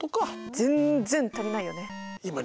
全然足りないよね！